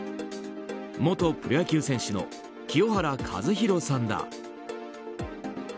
元プロ野球選手の清原和博さんだ。